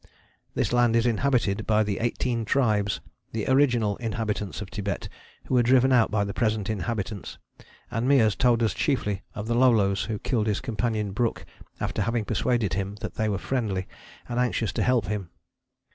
This land is inhabited by the 'Eighteen Tribes,' the original inhabitants of Thibet who were driven out by the present inhabitants, and Meares told us chiefly of the Lolos who killed his companion Brook after having persuaded him that they were friendly and anxious to help him.